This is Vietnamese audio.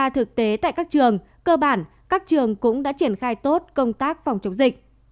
thực tế tại các trường cơ bản các trường cũng đã triển khai tốt công tác phòng chống dịch